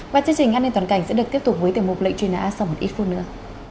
và chương trình an ninh toàn cảnh sẽ được tiếp tục với tiềm mục lệnh truy nã sau một ít phút nữa